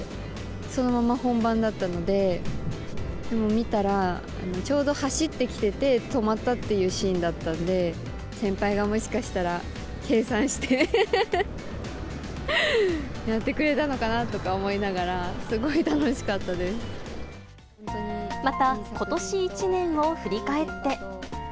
そのまま本番だったので、でも見たら、ちょうど走ってきてて止まったっていうシーンだったんで、先輩が、もしかしたら計算して、やってくれたのかなとか思いながら、また、ことし一年を振り返って。